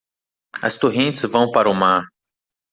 As torrentes vão para o mar.